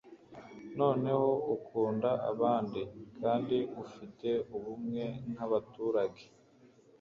noneho ukunda abandi - kandi ufite ubumwe nk'abaturage